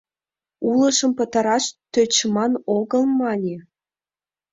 «Улыжым пытараш тӧчыман огыл», — мане.